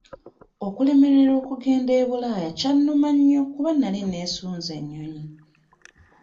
Okulemererwa okugenda e Bulaaya kyannuma nnyo kuba nali neesunze ennyonyi.